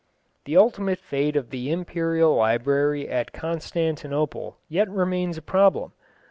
The ultimate fate of the imperial library at Constantinople yet remains a problem.